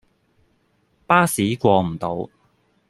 巴士過唔到